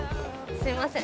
すいません。